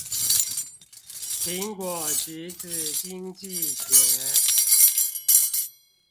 蘋果橘子經濟學